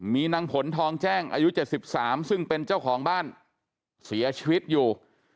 มีนางผลทองแจ้งอายุ๗๓ซึ่งเป็นเจ้าของบ้านเสียชีวิตอยู่